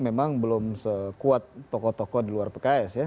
memang belum sekuat tokoh tokoh di luar pks ya